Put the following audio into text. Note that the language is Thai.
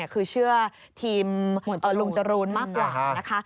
คือเชื่อทีมลุงจรูนมากกว่านะคะ